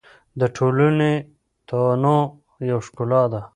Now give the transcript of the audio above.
د ټولنې تنوع یو ښکلا ده.